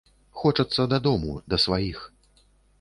Хочацца дадому, да сваіх.